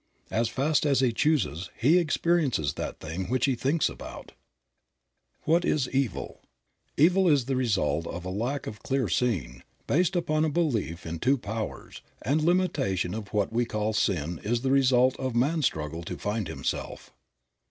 As fast as he chooses, he experiences that thing which he thinks about. Creative Mind. 75 What is evil? Evil is the result of a lack of clear seeing, based upon a belief in two powers, and limitation and what we call sin is the result of man's struggle to find himself.